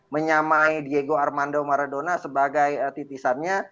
menyamai diego armando maradona sebagai titisannya